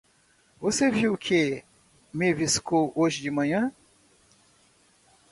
Você viu que neviscou hoje de manhã?